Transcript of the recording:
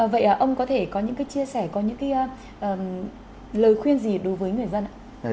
vậy ông có thể có những cái chia sẻ có những cái lời khuyên gì đối với người dân ạ